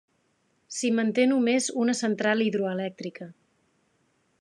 S'hi manté només una central hidroelèctrica.